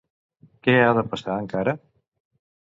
Què ha de passar encara?